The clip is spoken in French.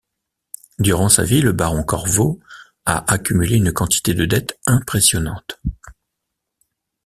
Durant sa vie, le Baron Corvo a accumulé une quantité de dettes impressionnantes.